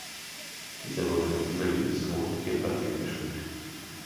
Dieser wurde mit überlebensgroßen Tierplastiken geschmückt.